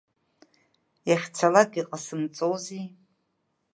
Иахьцалак иҟасымҵози.